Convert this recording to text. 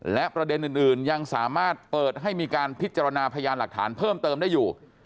และประเด็นอื่นยังสามารถเปิดให้มีการพิจารณาพยานหลักฐานเพิ่มเติมได้อยู่